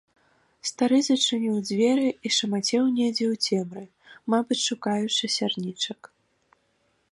Стары зачыніў дзверы і шамацеў недзе ў цемры, мабыць, шукаючы сярнічак.